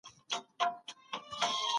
ما د هغه غريب سړي سره مرسته کوله.